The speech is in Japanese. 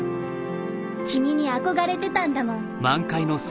君に憧れてたんだもん。